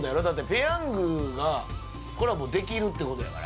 ペヤングがコラボできるってことやから。